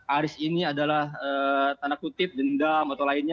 aris ini adalah tanda kutip dendam atau lainnya